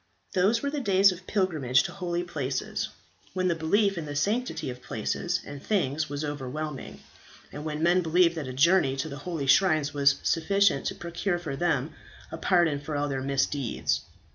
Those were the days of pilgrimage to holy places, when the belief in the sanctity of places and things was overwhelming, and when men believed that a journey to the holy shrines was sufficient to procure for them a pardon for all their misdeeds.